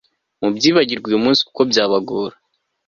Mubyibagirwe uy umunsi kuko byabagora